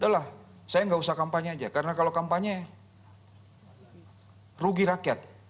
saya tidak usah kampanye saja karena kalau kampanye rugi rakyat